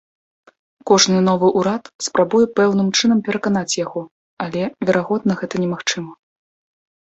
Кожны новы ўрад спрабуе пэўным чынам пераканаць яго, але, верагодна, гэта немагчыма.